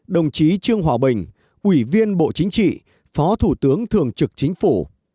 một mươi đồng chí trương hòa bình ủy viên bộ chính trị phó thủ tướng thường trực chính phủ